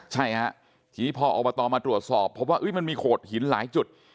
ใช่ฮะทีนี้พออบตมาตรวจสอบพบว่ามันมีโขดหินหลายจุด